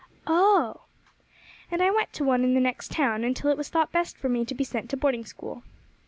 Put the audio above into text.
"Oh!" "And I went to one in the next town until it was thought best for me to be sent to boarding school."